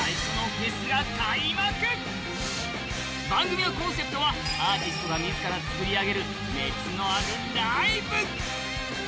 番組のコンセプトはアーティストが自ら作り上げる熱のあるライブ！